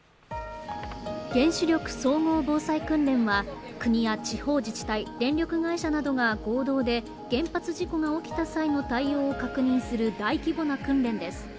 原子力総合防災訓練は国や地方自治体、電力会社などが合同で原発事故が起きた際の対応を確認する大規模な訓練です。